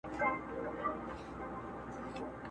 ستا د هستې شهباز به ونڅوم؛